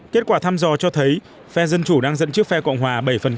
kết quả thăm dò cho thấy phe dân chủ đang dẫn trước phe cộng hòa bảy